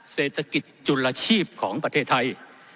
เศรษฐกิจจุลชีพของประเทศไทย